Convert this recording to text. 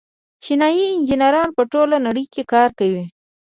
چیني انجنیران په ټوله نړۍ کې کار کوي.